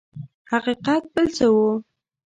حقیقت بل څه و.